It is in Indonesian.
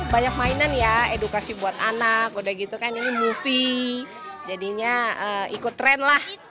banyak mainan ya edukasi buat anak udah gitu kan ini movie jadinya ikut tren lah